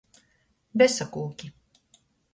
Besakūki.